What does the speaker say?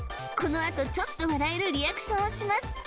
このあとちょっと笑えるリアクションをします